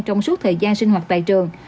trong suốt thời gian sinh hoạt tại trường